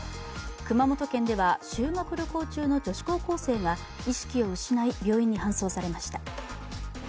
熊本県では修学旅行中の女子高校生が意識を失い病院に搬送されました。